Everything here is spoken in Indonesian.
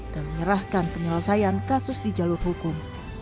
dan menyerahkan penyelesaian kasus di jalur hukum